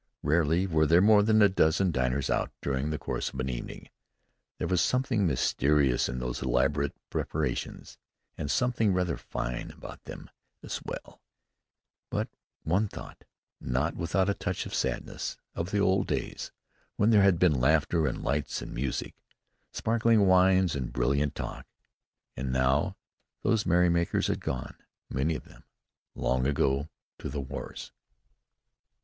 Rarely were there more than a dozen diners out during the course of an evening. There was something mysterious in these elaborate preparations, and something rather fine about them as well; but one thought, not without a touch of sadness, of the old days when there had been laughter and lights and music, sparkling wines and brilliant talk, and how those merrymakers had gone, many of them, long ago to the wars.